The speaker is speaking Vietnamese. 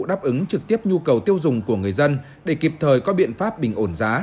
đáp ứng trực tiếp nhu cầu tiêu dùng của người dân để kịp thời có biện pháp bình ổn giá